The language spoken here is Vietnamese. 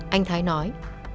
anh thái nói